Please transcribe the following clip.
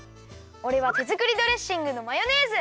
おれはてづくりドレッシングのマヨネーズ。